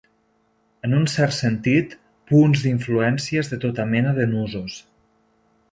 En un cert sentit, punts d'influències de tota mena de nusos.